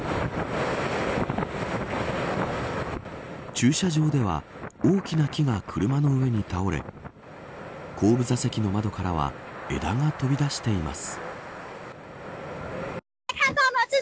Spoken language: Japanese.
駐車場では大きな木が車の上に倒れ後部座席の窓からは枝が飛び出しています。